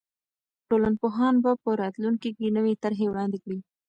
ټولنپوهان به په راتلونکي کې نوې طرحې وړاندې کړي.